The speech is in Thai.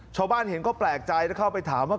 ชาวบ้านเห็นก็แปลกใจแล้วเข้าไปถามว่า